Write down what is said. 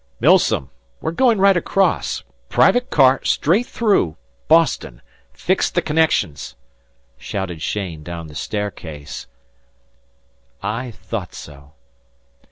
"Milsom, we're going right across. Private car straight through Boston. Fix the connections," shouted Cheyne down the staircase. "I thought so."